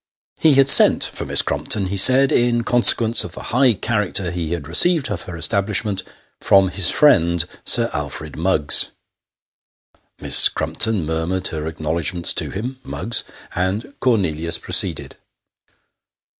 He had sent for Miss Crumpton, he said, in consequence of the high character he had received of her establishment from his friend, Sir Alfred Muggs. Miss Crumpton murmured her acknowledgments to him (Muggs), and Cornelius proceeded.